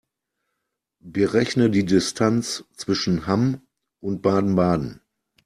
Berechne die Distanz zwischen Hamm und Baden-Baden